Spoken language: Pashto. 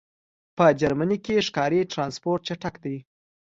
په جرمنی کی ښکاری ټرانسپورټ چټک دی